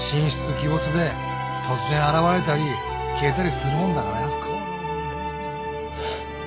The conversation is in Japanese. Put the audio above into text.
鬼没で突然現れたり消えたりするもんだからよ